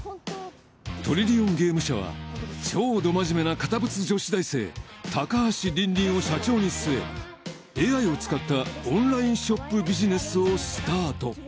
トリリオンゲーム社は超ド真面目な堅物女子大生高橋凜々を社長に据えＡＩを使ったオンラインショップビジネスをスタート